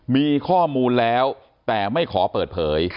มีข้อมูลแล้วแต่ไม่ขอเปิดเผย